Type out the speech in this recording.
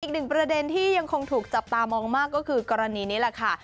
อีกหนึ่งประเด็นที่ยังคงถูกจับตามองมากก็คือกรณีนี้แหละค่ะ